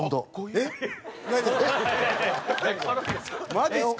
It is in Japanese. マジっすか？